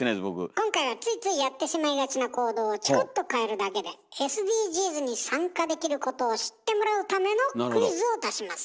今回はついついやってしまいがちな行動をチコっと変えるだけでＳＤＧｓに参加できることを知ってもらうためのクイズを出します。